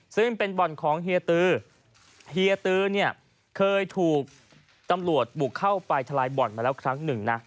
ซึ่งเป็นบ่อนของเฮียตือเฮียตือเนี่ยเคยถูกตำรวจบุกเข้าไปทลายบ่อนมาแล้วครั้งหนึ่งนะ